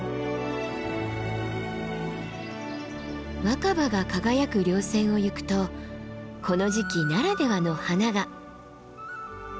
若葉が輝く稜線を行くとこの時期ならではの花が。